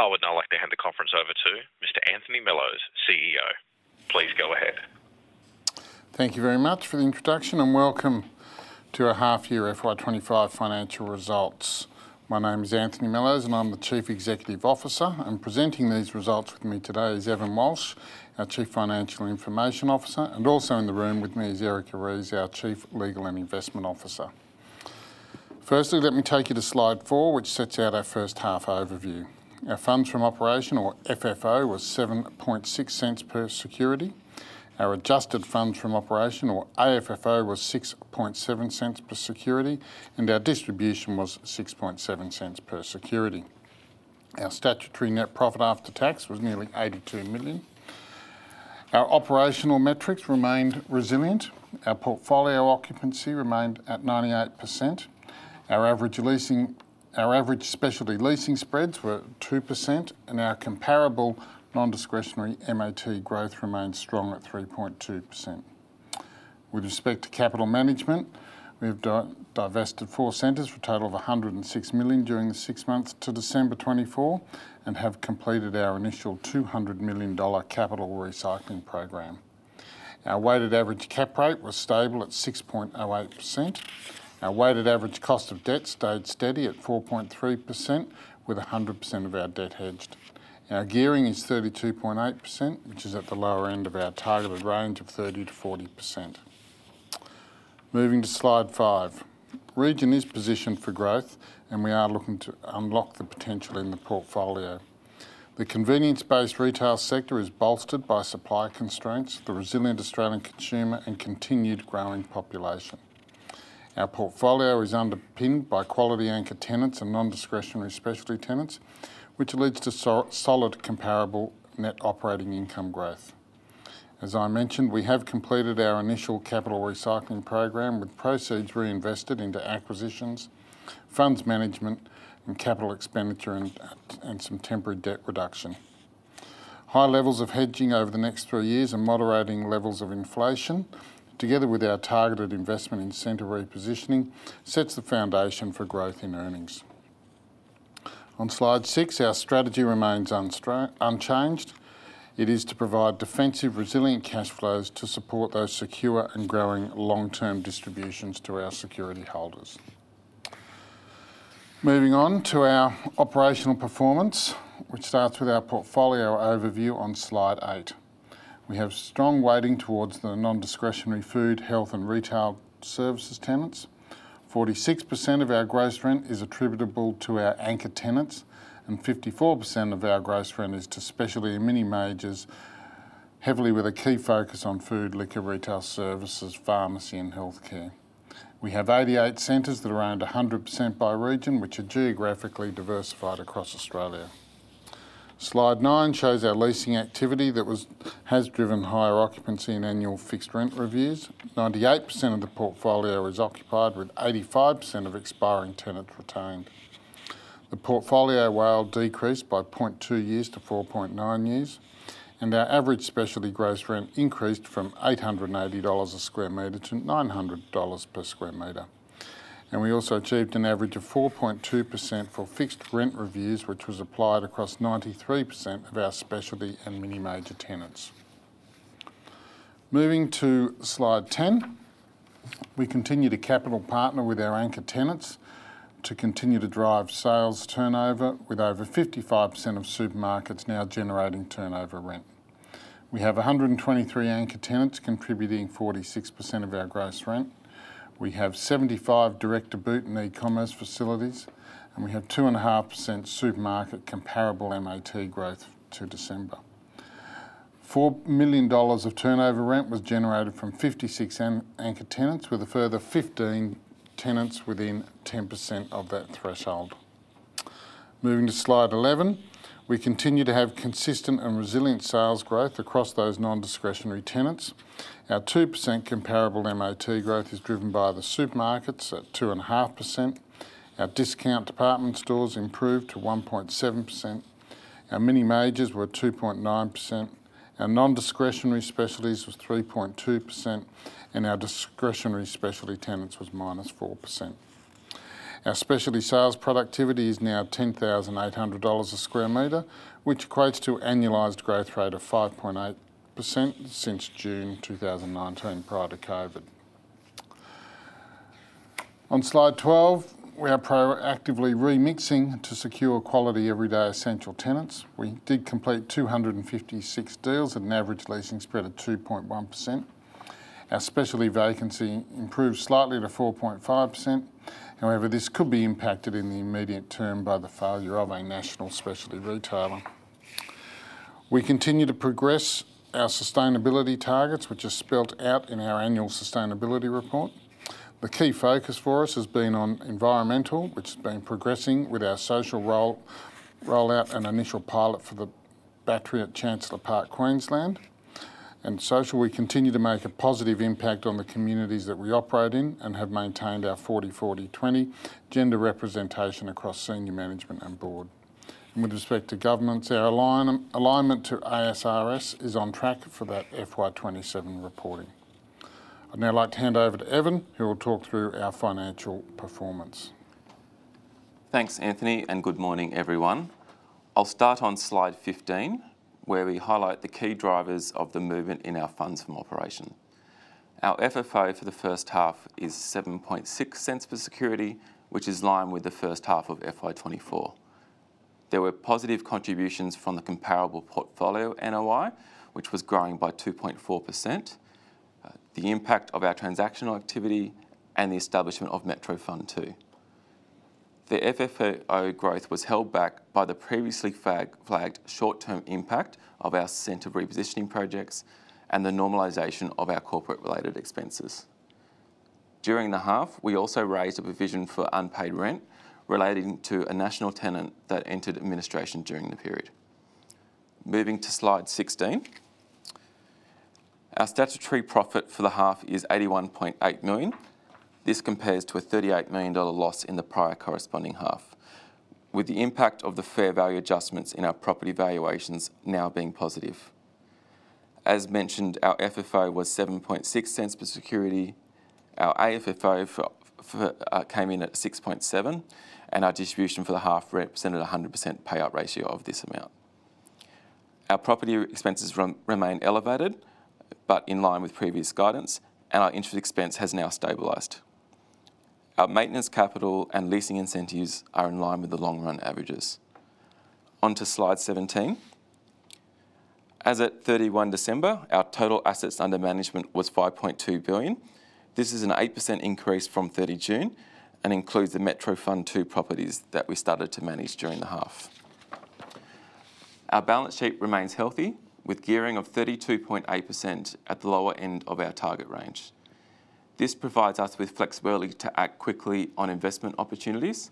I would now like to hand the conference over to Mr. Anthony Mellowes, CEO. Please go ahead. Thank you very much for the introduction and welcome to our Half-year FY25 Financial Results. My name is Anthony Mellowes and I'm the Chief Executive Officer, and presenting these results with me today is Evan Walsh, our Chief Financial and Information Officer, and also in the room with me is Erica Rees, our Chief Legal and Investment Officer. Firstly, let me take you to Slide four, which sets out our first half overview. Our funds from operation, or FFO, was 7.6 per security. Our adjusted funds from operation, or AFFO, was 6.7 per security, and our distribution was 6.7 per security. Our statutory net profit after tax was nearly 82 million. Our operational metrics remained resilient. Our portfolio occupancy remained at 98%. Our average specialty leasing spreads were 2%, and our comparable non-discretionary MAT growth remained strong at 3.2%. With respect to capital management, we have divested four centers for a total of 106 million during the six months to December 24 and have completed our initial 200 million dollar capital recycling program. Our weighted average cap rate was stable at 6.08%. Our weighted average cost of debt stayed steady at 4.3%, with 100% of our debt hedged. Our gearing is 32.8%, which is at the lower end of our targeted range of 30%-40%. Moving to Slide five, Region is positioned for growth, and we are looking to unlock the potential in the portfolio. The convenience-based retail sector is bolstered by supply constraints, the resilient Australian consumer, and continued growing population. Our portfolio is underpinned by quality anchor tenants and non-discretionary specialty tenants, which leads to solid comparable net operating income growth. As I mentioned, we have completed our initial capital recycling program with proceeds reinvested into acquisitions, funds management, and capital expenditure, and some temporary debt reduction. High levels of hedging over the next three years and moderating levels of inflation, together with our targeted investment in center repositioning, sets the foundation for growth in earnings. On Slide six, our strategy remains unchanged. It is to provide defensive, resilient cash flows to support those secure and growing long-term distributions to our security holders. Moving on to our operational performance, which starts with our portfolio overview on slide eight. We have strong weighting towards the non-discretionary food, health, and retail services tenants. 46% of our gross rent is attributable to our anchor tenants, and 54% of our gross rent is to specialty and mini majors, heavily with a key focus on food, liquor retail services, pharmacy, and healthcare. We have 88 centers that are owned 100% by Region, which are geographically diversified across Australia. Slide nine shows our leasing activity that has driven higher occupancy in annual fixed rent reviews. 98% of the portfolio is occupied, with 85% of expiring tenants retained. The portfolio WALE decreased by 0.2 years to 4.9 years, and our average specialty gross rent increased from 880 dollars a square meter to 900 dollars per square meter. We also achieved an average of 4.2% for fixed rent reviews, which was applied across 93% of our specialty and mini major tenants. Moving to Slide ten, we continue to capital partner with our anchor tenants to continue to drive sales turnover, with over 55% of supermarkets now generating turnover rent. We have 123 anchor tenants contributing 46% of our gross rent. We have 75 Direct to Boot and e-commerce facilities, and we have 2.5% supermarket comparable MAT growth to December. 4 million dollars of turnover rent was generated from 56 anchor tenants, with a further 15 tenants within 10% of that threshold. Moving to Slide 11, we continue to have consistent and resilient sales growth across those non-discretionary tenants. Our 2% comparable MAT growth is driven by the supermarkets at 2.5%. Our discount department stores improved to 1.7%. Our mini majors were 2.9%. Our non-discretionary specialties were 3.2%, and our discretionary specialty tenants were minus 4%. Our specialty sales productivity is now 10,800 dollars a square meter, which equates to an annualized growth rate of 5.8% since June 2019, prior to COVID. On Slide 12, we are proactively remixing to secure quality everyday essential tenants. We did complete 256 deals at an average leasing spread of 2.1%. Our specialty vacancy improved slightly to 4.5%. However, this could be impacted in the immediate term by the failure of a national specialty retailer. We continue to progress our sustainability targets, which are spelled out in our annual sustainability report. The key focus for us has been on environmental, which has been progressing with our social rollout and initial pilot for the battery at Chancellor Park, Queensland, and socially, we continue to make a positive impact on the communities that we operate in and have maintained our 40-40-20 gender representation across senior management and board, and with respect to governments, our alignment to ASRS is on track for that FY27 reporting. I'd now like to hand over to Evan, who will talk through our financial performance. Thanks, Anthony, and good morning, everyone. I'll start on Slide 15, where we highlight the key drivers of the movement in our funds from operations. Our FFO for the first half is 0.076 per security, which is in line with the first half of FY24. There were positive contributions from the comparable portfolio NOI, which was growing by 2.4%, the impact of our transactional activity, and the establishment of Metro Fund Two. The FFO growth was held back by the previously flagged short-term impact of our center repositioning projects and the normalization of our corporate-related expenses. During the half, we also raised a provision for unpaid rent relating to a national tenant that entered administration during the period. Moving to Slide 16, our statutory profit for the half is 81.8 million. This compares to an 38 million dollar loss in the prior corresponding half, with the impact of the fair value adjustments in our property valuations now being positive. As mentioned, our FFO was 0.076 per security. Our AFFO came in at 0.067, and our distribution for the half represented a 100% payout ratio of this amount. Our property expenses remain elevated, but in line with previous guidance, and our interest expense has now stabilized. Our maintenance capital and leasing incentives are in line with the long-run averages. Onto Slide 17. As at 31 December, our total assets under management was 5.2 billion. This is an 8% increase from 30 June and includes the Metro Fund Two properties that we started to manage during the half. Our balance sheet remains healthy, with gearing of 32.8% at the lower end of our target range. This provides us with flexibility to act quickly on investment opportunities,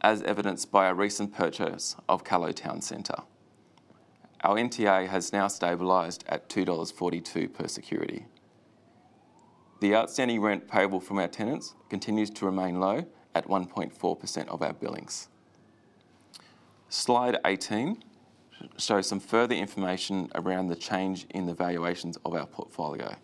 as evidenced by our recent purchase of Callowtown Centre. Our NTA has now stabilized at 2.42 dollars per security. The outstanding rent payable from our tenants continues to remain low at 1.4% of our billings. Slide 18 shows some further information around the change in the valuations of our portfolio.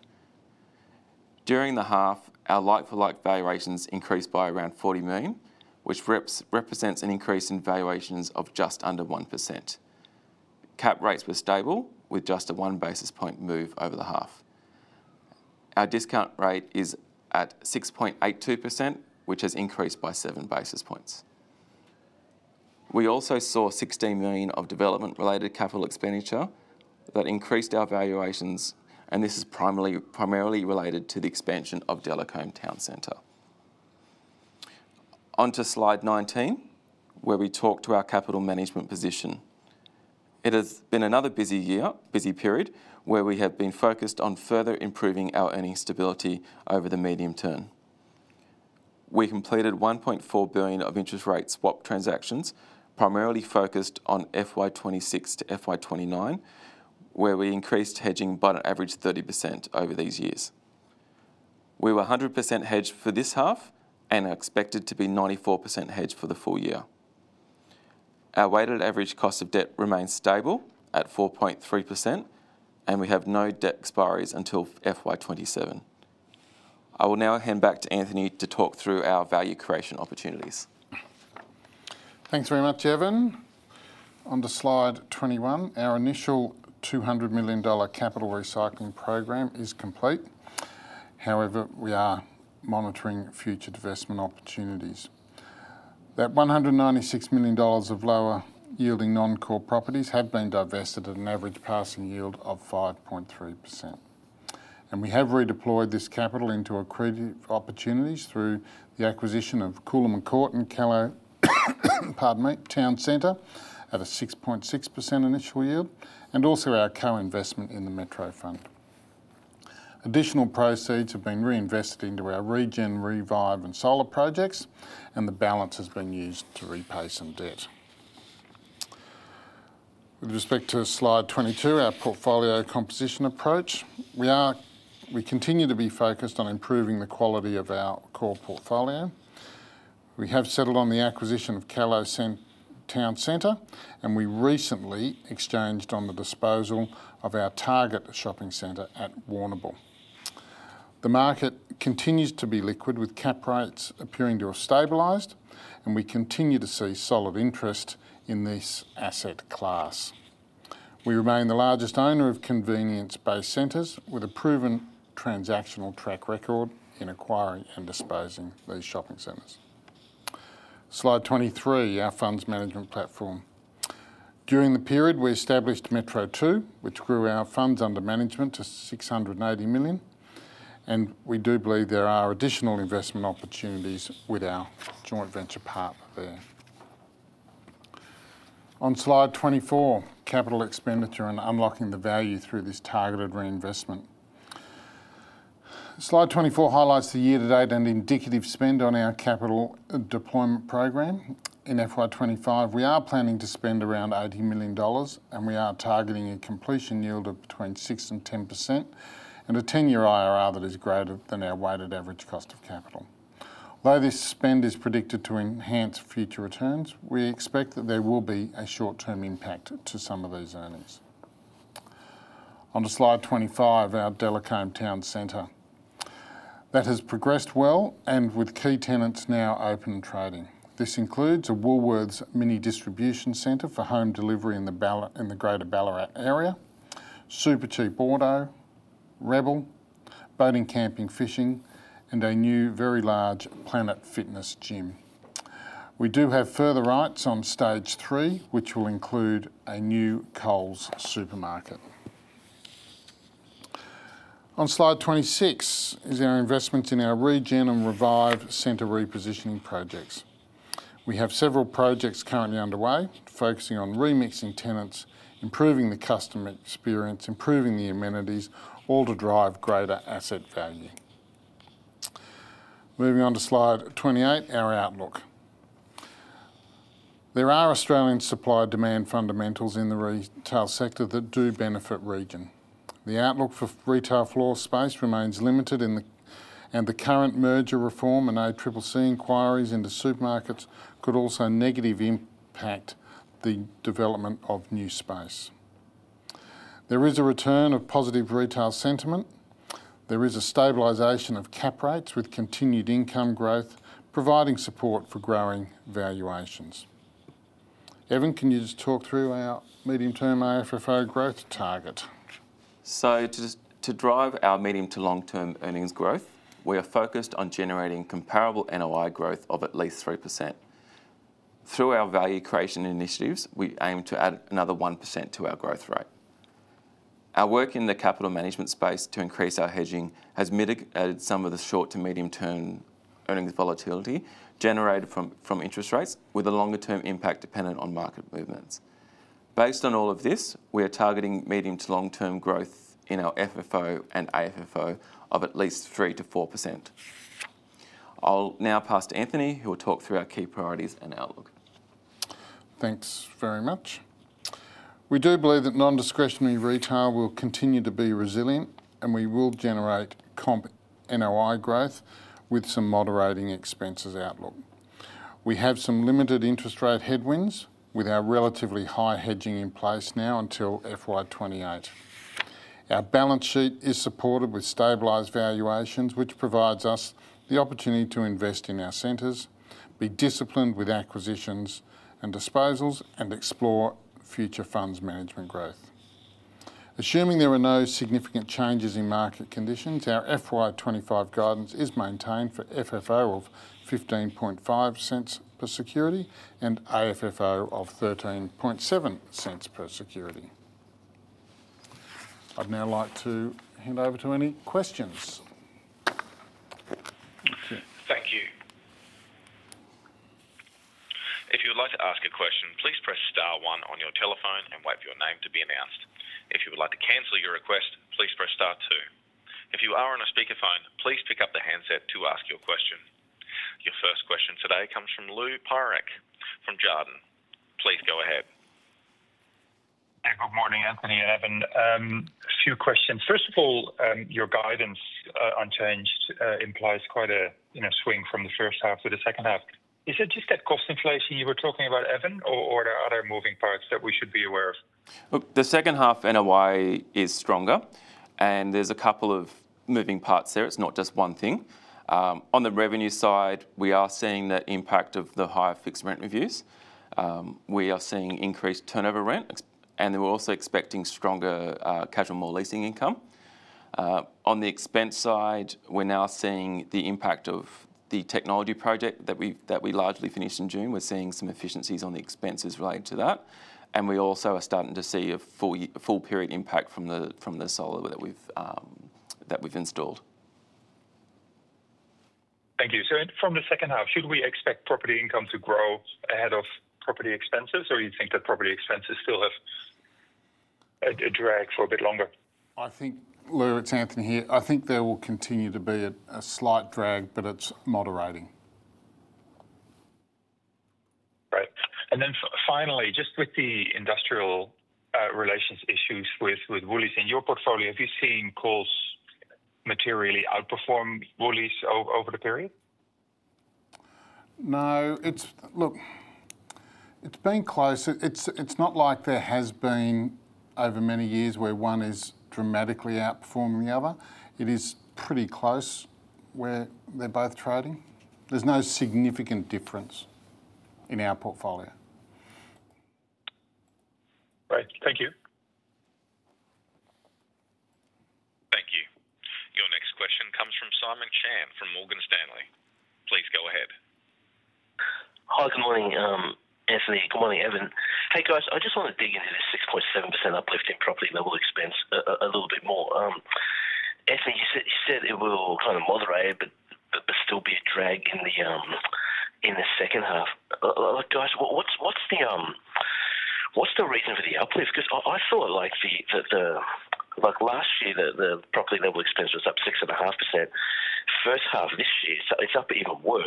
During the half, our like-for-like valuations increased by around 40 million, which represents an increase in valuations of just under 1%. Cap rates were stable, with just a one basis point move over the half. Our discount rate is at 6.82%, which has increased by seven basis points. We also saw 16 million of development-related capital expenditure that increased our valuations, and this is primarily related to the expansion of Delacombe Town Centre. Onto Slide 19, where we talk to our capital management position. It has been another busy year, busy period, where we have been focused on further improving our earnings stability over the medium term. We completed 1.4 billion of interest rate swap transactions, primarily focused on FY26 to FY29, where we increased hedging by an average of 30% over these years. We were 100% hedged for this half and are expected to be 94% hedged for the full year. Our weighted average cost of debt remains stable at 4.3%, and we have no debt expiries until FY27. I will now hand back to Anthony to talk through our value creation opportunities. Thanks very much, Evan. Onto Slide 21, our initial 200 million dollar capital recycling program is complete. However, we are monitoring future investment opportunities. That 196 million dollars of lower-yielding non-core properties have been divested at an average passing yield of 5.3%, and we have redeployed this capital into accretive opportunities through the acquisition of Coolum and Kawana and Callowtown Center at a 6.6% initial yield, and also our co-investment in the Metro Fund. Additional proceeds have been reinvested into our regen, revive, and solar projects, and the balance has been used to repay some debt. With respect to Slide 22, our portfolio composition approach, we continue to be focused on improving the quality of our core portfolio. We have settled on the acquisition of Callowtown Center, and we recently exchanged on the disposal of our Target shopping centre at Warrnambool. The market continues to be liquid, with cap rates appearing to have stabilized, and we continue to see solid interest in this asset class. We remain the largest owner of convenience-based centers, with a proven transactional track record in acquiring and disposing of these shopping centers. Slide 23, our funds management platform. During the period, we established Metro Two, which grew our funds under management to 680 million, and we do believe there are additional investment opportunities with our joint venture partner there. On Slide 24, capital expenditure and unlocking the value through this targeted reinvestment. Slide 24 highlights the year-to-date and indicative spend on our capital deployment program. In FY25, we are planning to spend around 80 million dollars, and we are targeting a completion yield of between 6% and 10% and a 10-year IRR that is greater than our weighted average cost of capital. Although this spend is predicted to enhance future returns, we expect that there will be a short-term impact to some of these earnings. On to Slide 25, our Delacombe Town Centre. That has progressed well and with key tenants now open and trading. This includes a Woolworths mini distribution center for home delivery in the greater Ballarat area, Supercheap Auto, Rebel, Boating Camping Fishing, and a new very large Planet Fitness gym. We do have further rights on stage three, which will include a new Coles supermarket. On Slide 26 is our investments in our regen and revive center repositioning projects. We have several projects currently underway focusing on remixing tenants, improving the customer experience, improving the amenities, all to drive greater asset value. Moving on to Slide 28, our outlook. There are Australian supply-demand fundamentals in the retail sector that do benefit Region. The outlook for retail floor space remains limited, and the current merger reform and ACCC inquiries into supermarkets could also negatively impact the development of new space. There is a return of positive retail sentiment. There is a stabilization of cap rates with continued income growth, providing support for growing valuations. Evan, can you just talk through our medium-term AFFO growth target? To drive our medium to long-term earnings growth, we are focused on generating comparable NOI growth of at least 3%. Through our value creation initiatives, we aim to add another 1% to our growth rate. Our work in the capital management space to increase our hedging has mitigated some of the short to medium-term earnings volatility generated from interest rates, with a longer-term impact dependent on market movements. Based on all of this, we are targeting medium to long-term growth in our FFO and AFFO of at least 3%-4%. I'll now pass to Anthony, who will talk through our key priorities and outlook. Thanks very much. We do believe that non-discretionary retail will continue to be resilient, and we will generate comp NOI growth with some moderating expenses outlook. We have some limited interest rate headwinds with our relatively high hedging in place now until FY28. Our balance sheet is supported with stabilized valuations, which provides us the opportunity to invest in our centers, be disciplined with acquisitions and disposals, and explore future funds management growth. Assuming there are no significant changes in market conditions, our FY25 guidance is maintained for FFO of 0.155 per security and AFFO of 0.137 per security. I'd now like to hand over to any questions. Thank you. If you would like to ask a question, please press star one on your telephone and wait for your name to be announced. If you would like to cancel your request, please press star two. If you are on a speakerphone, please pick up the handset to ask your question. Your first question today comes from Lou Pirenc from Jarden. Please go ahead. Good morning, Anthony and Evan. A few questions. First of all, your guidance unchanged implies quite a swing from the first half to the second half. Is it just that cost inflation you were talking about, Evan, or are there other moving parts that we should be aware of? The second half NOI is stronger, and there's a couple of moving parts there. It's not just one thing. On the revenue side, we are seeing the impact of the higher fixed rent reviews. We are seeing increased turnover rent, and we're also expecting stronger casual mall leasing income. On the expense side, we're now seeing the impact of the technology project that we largely finished in June. We're seeing some efficiencies on the expenses related to that, and we also are starting to see a full period impact from the solar that we've installed. Thank you. So from the second half, should we expect property income to grow ahead of property expenses, or do you think that property expenses still have a drag for a bit longer? I think, Lou, it's Anthony here. I think there will continue to be a slight drag, but it's moderating. Great. And then finally, just with the industrial relations issues with Woolies in your portfolio, have you seen malls materially outperform Woolies over the period? No. Look, it's been close. It's not like there has been over many years where one is dramatically outperforming the other. It is pretty close where they're both trading. There's no significant difference in our portfolio. Great. Thank you. Thank you. Your next question comes from Simon Chan from Morgan Stanley. Please go ahead. Hi, good morning, Anthony. Good morning, Evan. Hey, guys, I just want to dig into this 6.7% uplift in property level expense a little bit more. Anthony, you said it will kind of moderate, but still be a drag in the second half. Guys, what's the reason for the uplift? Because I thought, like last year, the property level expense was up 6.5%. First half of this year, it's up even worse.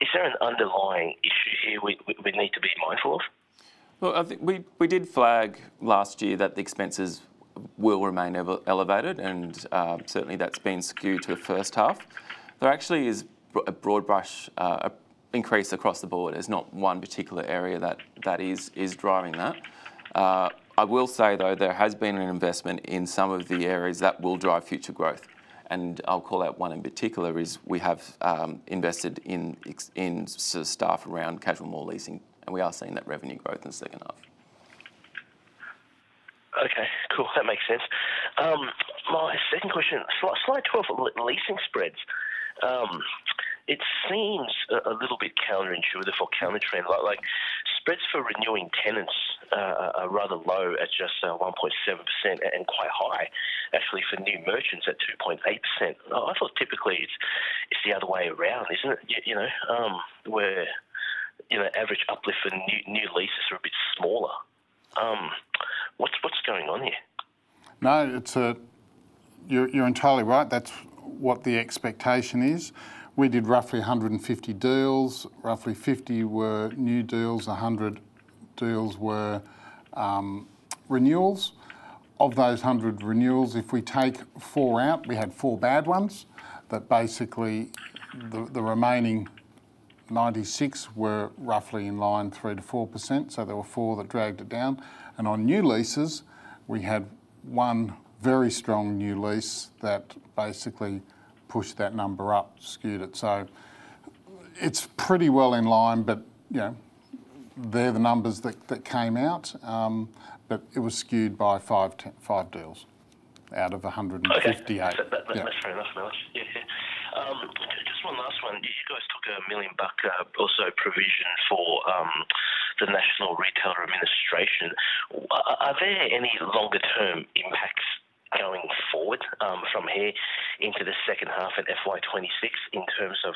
Is there an underlying issue here we need to be mindful of? Look, I think we did flag last year that the expenses will remain elevated, and certainly that's been skewed to the first half. There actually is a broad brush increase across the board. There's not one particular area that is driving that. I will say, though, there has been an investment in some of the areas that will drive future growth, and I'll call out one in particular is we have invested in sort of staff around casual mall leasing, and we are seeing that revenue growth in the second half. Okay, cool. That makes sense. My second question, Slide 12 on leasing spreads. It seems a little bit counterintuitive or countertrend. Spreads for renewing tenants are rather low at just 1.7% and quite high, actually, for new merchants at 2.8%. I thought typically it's the other way around, isn't it? Where the average uplift for new leases are a bit smaller. What's going on here? No, you're entirely right. That's what the expectation is. We did roughly 150 deals. Roughly 50 were new deals. 100 deals were renewals. Of those 100 renewals, if we take four out, we had four bad ones, but basically the remaining 96 were roughly in line 3%-4%. So there were four that dragged it down. And on new leases, we had one very strong new lease that basically pushed that number up, skewed it. So it's pretty well in line, but they're the numbers that came out, but it was skewed by five deals out of 158. That's fair enough. Yeah, yeah. Just one last one. You guys took 1 million provision for the Mosaic Administration. Are there any longer-term impacts going forward from here into the second half of FY26 in terms of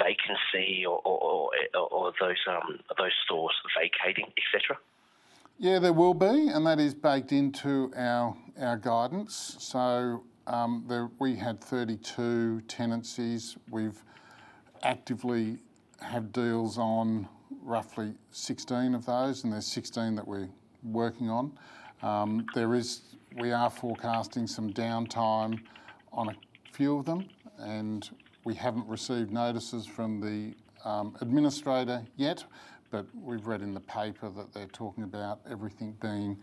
vacancy or those stores vacating, etc.? Yeah, there will be, and that is baked into our guidance. So we had 32 tenancies. We've actively had deals on roughly 16 of those, and there's 16 that we're working on. We are forecasting some downtime on a few of them, and we haven't received notices from the administrator yet, but we've read in the paper that they're talking about everything being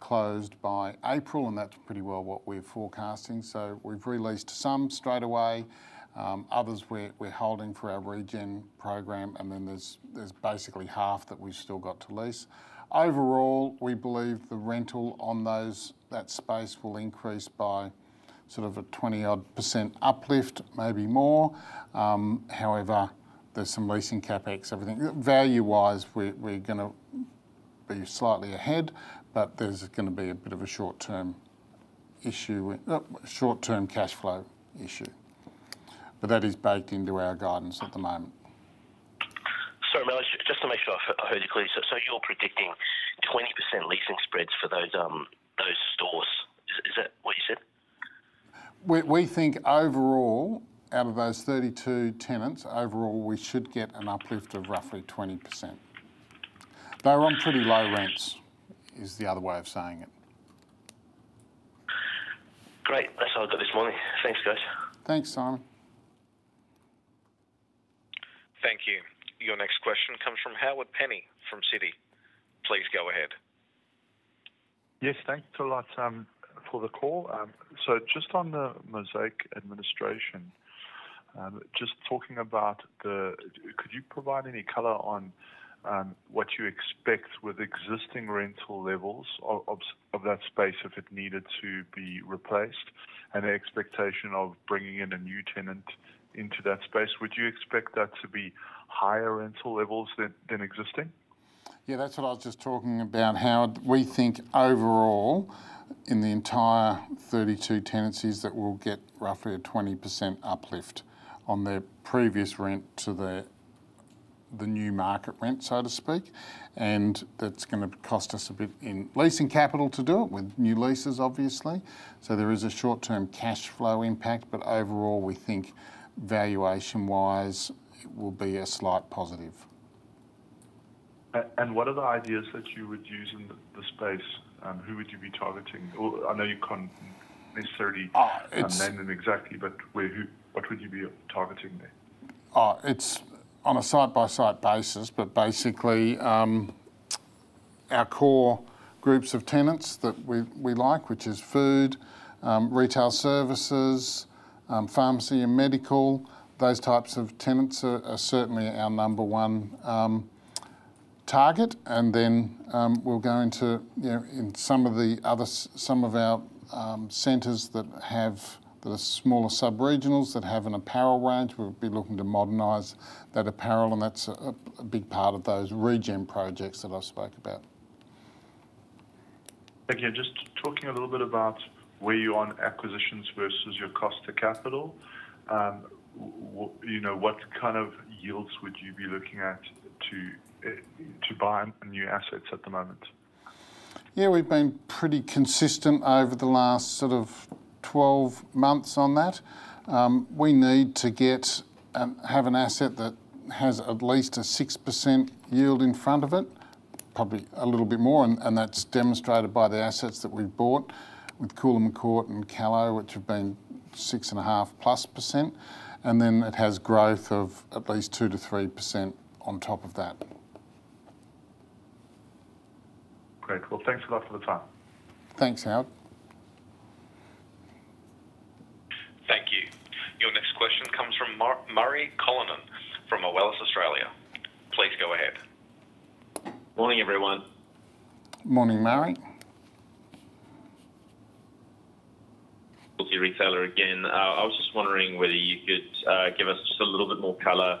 closed by April, and that's pretty well what we're forecasting. So we've released some straight away. Others we're holding for our regen program, and then there's basically half that we've still got to lease. Overall, we believe the rental on that space will increase by sort of a 20-odd% uplift, maybe more. However, there's some leasing CapEx everything. Value-wise, we're going to be slightly ahead, but there's going to be a bit of a short-term issue, a short-term cash flow issue. But that is baked into our guidance at the moment. So just to make sure I heard you clearly, so you're predicting 20% leasing spreads for those stores. Is that what you said? We think overall, out of those 32 tenants, overall we should get an uplift of roughly 20%. They're on pretty low rents, is the other way of saying it. Great. That's all I've got this morning. Thanks, guys. Thanks, Simon. Thank you. Your next question comes from Howard Penny from Citi. Please go ahead. Yes, thanks a lot for the call. So just on the Mosaic administration, could you provide any color on what you expect with existing rental levels of that space if it needed to be replaced and the expectation of bringing in a new tenant into that space? Would you expect that to be higher rental levels than existing? Yeah, that's what I was just talking about, Howard. We think overall, in the entire 32 tenancies, that we'll get roughly a 20% uplift on the previous rent to the new market rent, so to speak. And that's going to cost us a bit in leasing capital to do it with new leases, obviously. So there is a short-term cash flow impact, but overall we think valuation-wise it will be a slight positive. And what are the ideas that you would use in the space? Who would you be targeting? I know you can't necessarily name them exactly, but what would you be targeting there? It's on a side-by-side basis, but basically our core groups of tenants that we like, which is food, retail services, pharmacy and medical, those types of tenants are certainly our number one target, and then we'll go into some of the other, some of our centers that have the smaller sub-regionals that have an apparel range, we'll be looking to modernize that apparel, and that's a big part of those regen projects that I've spoke about. Thank you. Just talking a little bit about where you are on acquisitions versus your cost of capital, what kind of yields would you be looking at to buy new assets at the moment? Yeah, we've been pretty consistent over the last sort of 12 months on that. We need to have an asset that has at least a 6% yield in front of it, probably a little bit more, and that's demonstrated by the assets that we've bought with Coolum Village and Callowtown Centre, which have been 6.5 plus %. And then it has growth of at least 2%-3% on top of that. Great. Well, thanks a lot for the time. Thanks, Howard. Thank you. Your next question comes from Murray Callinan from MA Financial Group. Please go ahead. Morning, everyone. Morning, Murray. Multi-retailer again. I was just wondering whether you could give us just a little bit more color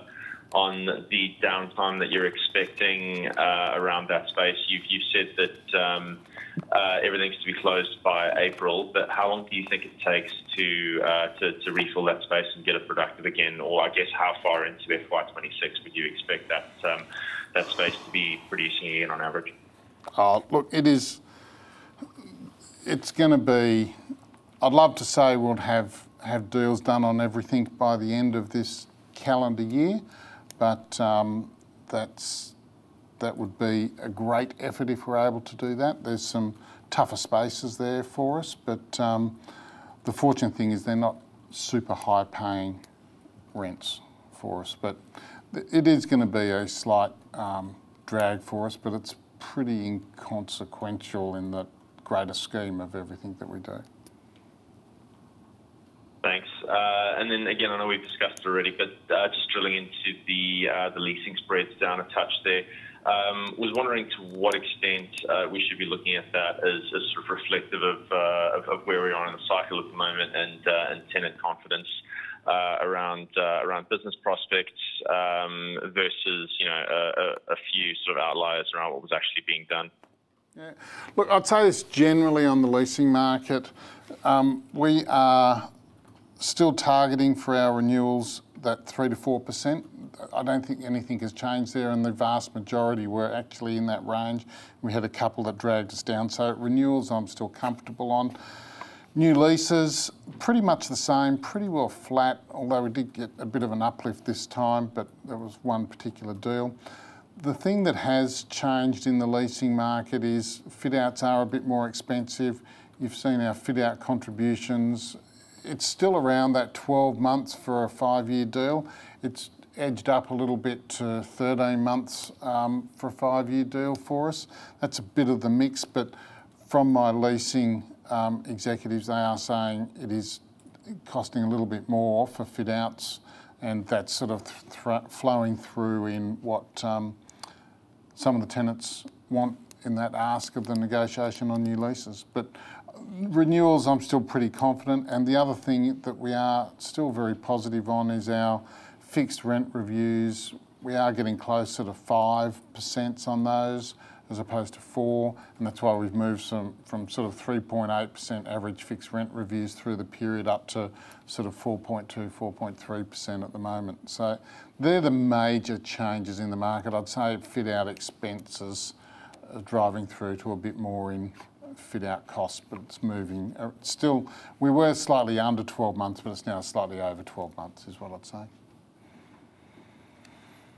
on the downtime that you're expecting around that space. You've said that everything's to be closed by April, but how long do you think it takes to refill that space and get it productive again? Or I guess how far into FY26 would you expect that space to be producing again on average? Look, it's going to be. I'd love to say we'll have deals done on everything by the end of this calendar year, but that would be a great effort if we're able to do that. There's some tougher spaces there for us, but the fortunate thing is they're not super high-paying rents for us. But it is going to be a slight drag for us, but it's pretty inconsequential in the greater scheme of everything that we do. Thanks. And then again, I know we've discussed already, but just drilling into the leasing spreads down a touch there, I was wondering to what extent we should be looking at that as sort of reflective of where we are in the cycle at the moment and tenant confidence around business prospects versus a few sort of outliers around what was actually being done. Look, I'll tell you this generally on the leasing market. We are still targeting for our renewals that 3%-4%. I don't think anything has changed there. In the vast majority, we're actually in that range. We had a couple that dragged us down. So renewals I'm still comfortable on. New leases, pretty much the same, pretty well flat, although we did get a bit of an uplift this time, but there was one particular deal. The thing that has changed in the leasing market is fit-outs are a bit more expensive. You've seen our fit-out contributions. It's still around that 12 months for a five-year deal. It's edged up a little bit to 13 months for a five-year deal for us. That's a bit of the mix, but from my leasing executives, they are saying it is costing a little bit more for fit-outs, and that's sort of flowing through in what some of the tenants want in that ask of the negotiation on new leases. But renewals, I'm still pretty confident. And the other thing that we are still very positive on is our fixed rent reviews. We are getting closer to 5% on those as opposed to 4%, and that's why we've moved from sort of 3.8% average fixed rent reviews through the period up to sort of 4.2%, 4.3% at the moment. So they're the major changes in the market. I'd say fit-out expenses are driving through to a bit more in fit-out costs, but it's moving. We were slightly under 12 months, but it's now slightly over 12 months is what I'd say.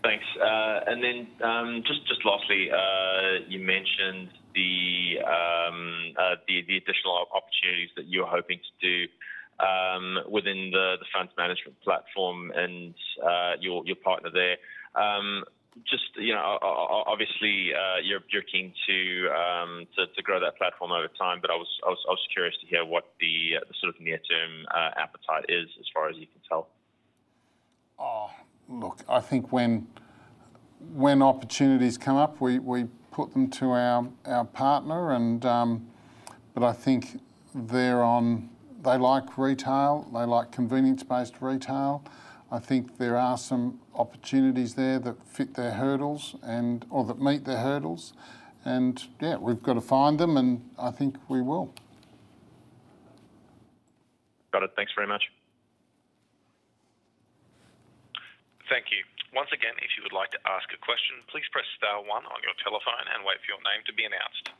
Thanks. And then just lastly, you mentioned the additional opportunities that you're hoping to do within the funds management platform and your partner there. Just obviously, you're keen to grow that platform over time, but I was curious to hear what the sort of near-term appetite is as far as you can tell. Look, I think when opportunities come up, we put them to our partner, but I think they're on. They like retail. They like convenience-based retail. I think there are some opportunities there that fit their hurdles and or that meet their hurdles. And yeah, we've got to find them, and I think we will. Got it. Thanks very much. Thank you. Once again, if you would like to ask a question, please press star one on your telephone and wait for your name to be announced.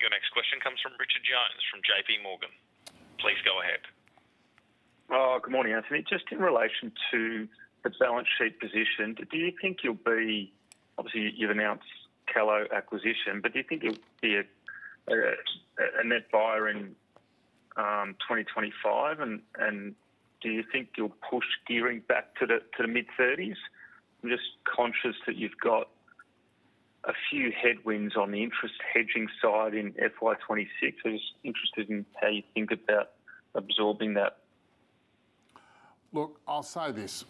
Your next question comes from Richard Jones from JP Morgan. Please go ahead. Good morning, Anthony. Just in relation to the balance sheet position, do you think you'll be obviously, you've announced Callowtown acquisition, but do you think it'll be a net buyer in 2025? And do you think you'll push gearing back to the mid-30s? I'm just conscious that you've got a few headwinds on the interest hedging side in FY26. I'm just interested in how you think about absorbing that. Look, I'll say this.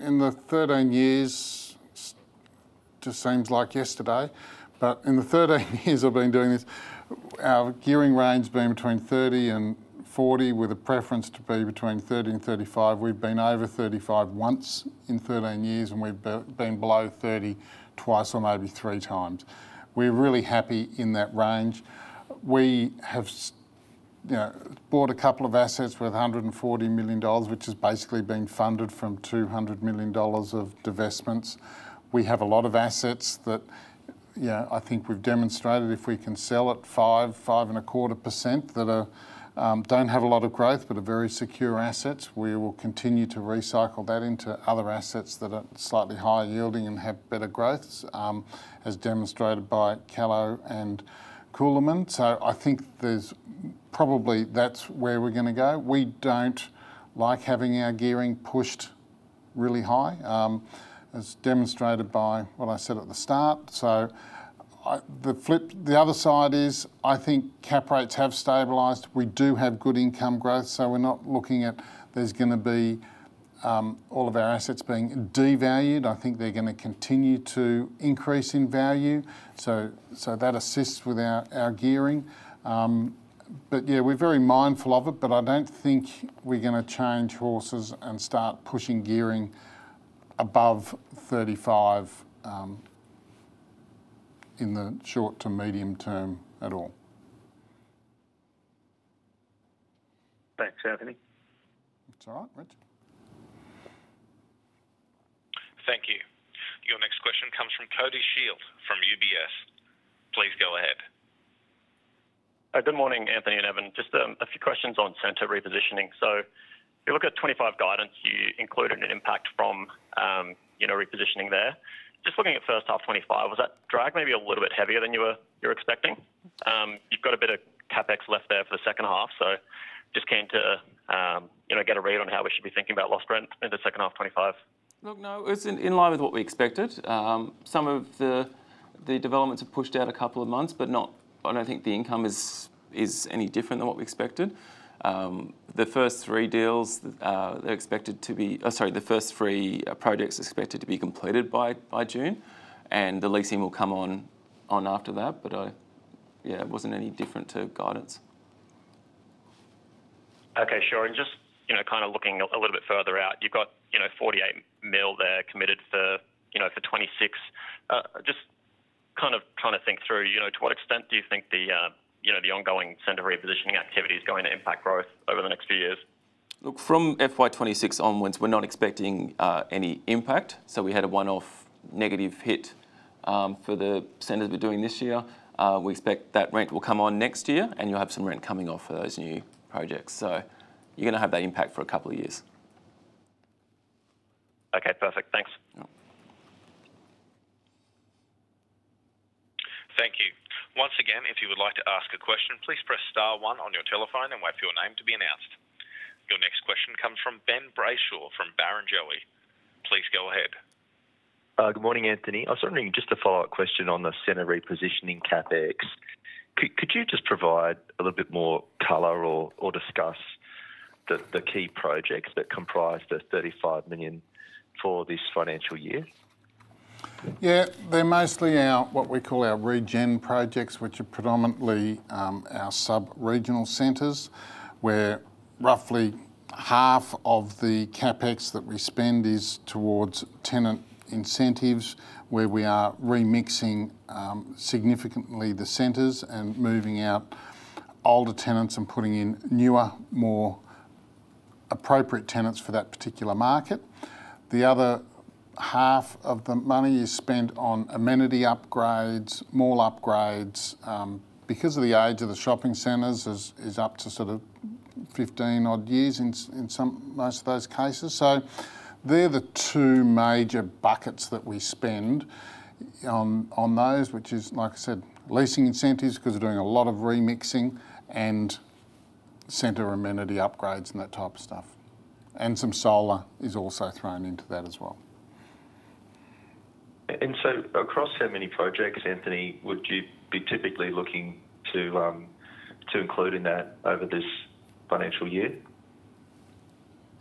In the 13 years just seems like yesterday, but in the 13 years I've been doing this, our gearing range has been between 30 and 40, with a preference to be between 30 and 35. We've been over 35 once in 13 years, and we've been below 30 twice or maybe three times. We're really happy in that range. We have bought a couple of assets worth 140 million dollars, which has basically been funded from 200 million dollars of divestments. We have a lot of assets that I think we've demonstrated if we can sell at 5%, 5.25% that don't have a lot of growth but are very secure assets. We will continue to recycle that into other assets that are slightly higher yielding and have better growth, as demonstrated by Callowtown and Coolum. So I think there's probably that's where we're going to go. We don't like having our gearing pushed really high, as demonstrated by what I said at the start. So the other side is I think cap rates have stabilized. We do have good income growth, so we're not looking at there's going to be all of our assets being devalued. I think they're going to continue to increase in value. So that assists with our gearing. But yeah, we're very mindful of it, but I don't think we're going to change horses and start pushing gearing above 35 in the short to medium term at all. Thanks, Anthony. That's all right, Rich. Thank you. Your next question comes from Cody Shield from UBS. Please go ahead. Good morning, Anthony and Evan. Just a few questions on center repositioning. So if you look at 25 guidance, you included an impact from repositioning there. Just looking at first half 25, was that drag maybe a little bit heavier than you were expecting? You've got a bit of CapEx left there for the second half, so just keen to get a read on how we should be thinking about lost rent in the second half 25. Look, no, it's in line with what we expected. Some of the developments have pushed out a couple of months, but I don't think the income is any different than what we expected. The first three deals, they're expected to be sorry, the first three projects are expected to be completed by June, and the leasing will come on after that, but yeah, it wasn't any different to guidance. Okay, sure. And just kind of looking a little bit further out, you've got 48 million there committed for 2026. Just kind of trying to think through, to what extent do you think the ongoing center repositioning activity is going to impact growth over the next few years? Look, from FY26 onwards, we're not expecting any impact. So we had a one-off negative hit for the centers we're doing this year. We expect that rent will come on next year, and you'll have some rent coming off for those new projects. So you're going to have that impact for a couple of years. Okay, perfect. Thanks. Thank you. Once again, if you would like to ask a question, please press star one on your telephone and wait for your name to be announced. Your next question comes from Ben Brayshaw from Barrenjoey. Please go ahead. Good morning, Anthony. I was wondering just a follow-up question on the center repositioning CapEx. Could you just provide a little bit more color or discuss the key projects that comprise the 35 million for this financial year? Yeah, they're mostly our what we call our regen projects, which are predominantly our sub-regional centers, where roughly half of the CapEx that we spend is towards tenant incentives, where we are remixing significantly the centers and moving out older tenants and putting in newer, more appropriate tenants for that particular market. The other half of the money is spent on amenity upgrades, mall upgrades. Because of the age of the shopping centers, it's up to sort of 15-odd years in most of those cases. So they're the two major buckets that we spend on those, which is, like I said, leasing incentives because we're doing a lot of remixing and center amenity upgrades and that type of stuff. And some solar is also thrown into that as well. And so, across how many projects, Anthony, would you be typically looking to include in that over this financial year?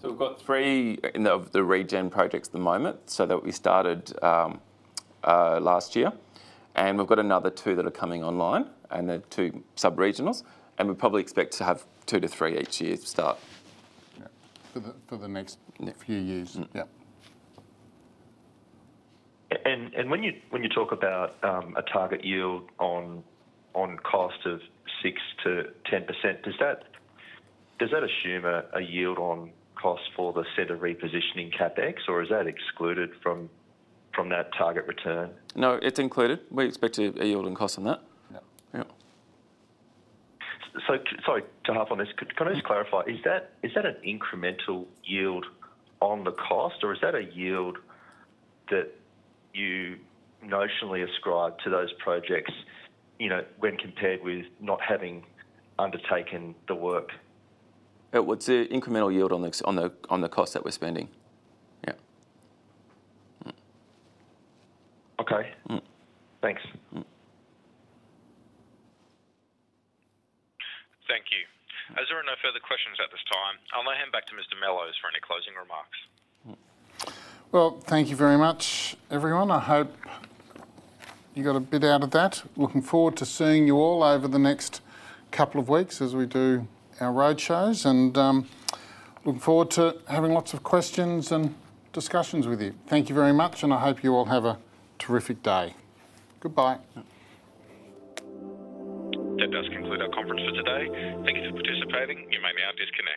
So we've got three of the regen projects at the moment. So that we started last year. And we've got another two that are coming online, and they're two sub-regionals. And we probably expect to have two to three each year to start. For the next few years, yeah. When you talk about a target yield on cost of 6%-10%, does that assume a yield on cost for the center repositioning CapEx, or is that excluded from that target return? No, it's included. We expect a yield on cost on that. So sorry to hop on this. Can I just clarify? Is that an incremental yield on the cost, or is that a yield that you notionally ascribe to those projects when compared with not having undertaken the work? It's an incremental yield on the cost that we're spending. Yeah. Okay. Thanks. Thank you. If there are no further questions at this time, I'll now hand back to Mr. Mellowes for any closing remarks. Thank you very much, everyone. I hope you got a bit out of that. Looking forward to seeing you all over the next couple of weeks as we do our road shows, and looking forward to having lots of questions and discussions with you. Thank you very much, and I hope you all have a terrific day. Goodbye. That does conclude our conference for today. Thank you for participating. You may now disconnect.